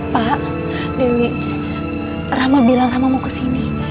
pak dewi rama bilang rama mau kesini